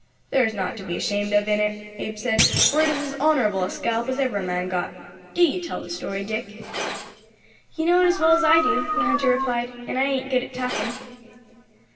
"There's nought to be ashamed of in it," Abe said, "for it is as honourable a scalp as ever a man got. Do you tell the story, Dick." "You know it as well as I do," the hunter replied, "and I ain't good at talking."